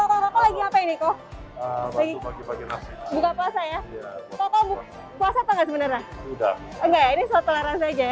apa ini kok lagi buka puasa ya toko buku asap sebenarnya udah enggak ini soal rasa aja ya